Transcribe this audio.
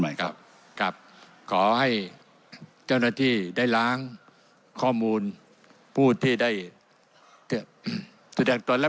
หน่อยครับครับขอให้เจ้าหน้าที่ได้ล้างข้อมูลผู้ที่ได้แสดงตนและ